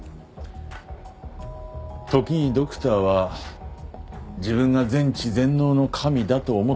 時にドクターは自分が全知全能の神だと思ってしまう。